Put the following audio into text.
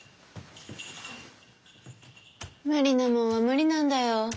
無理なもんは無理なんだよ。